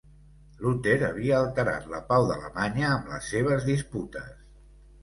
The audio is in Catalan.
Luter havia alterat la pau d'Alemanya amb les seves disputes.